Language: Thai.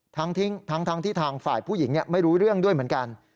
ทั้งที่ทางฝ่ายผู้หญิงไม่รู้เรื่องด้วยเหมือนกัน